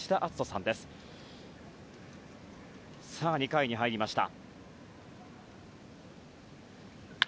さあ、２回に入りました。